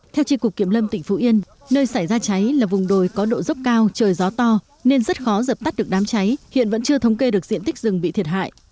theo tri cục kiểm lâm tỉnh phú yên nơi xảy ra cháy là vùng đồi có độ dốc cao trời gió to nên rất khó dập tắt được đám cháy hiện vẫn chưa thống kê được diện tích rừng bị thiệt hại